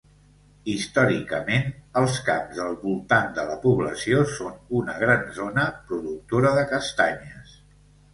Històricament, els camps del voltant de la població són una gran zona productora de castanyes.